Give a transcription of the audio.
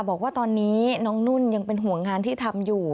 บอกว่าตอนนี้น้องนุ่นยังเป็นห่วงงานที่ทำอยู่